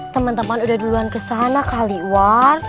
temen temen udah duluan kesana kali war